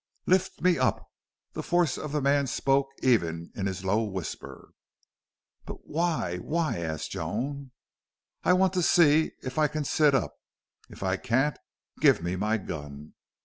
"Lift me up!" The force of the man spoke even in his low whisper. "But why why?" asked Joan. "I want to see if I can sit up. If I can't give me my gun."